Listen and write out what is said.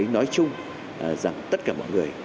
nói chung rằng tất cả mọi người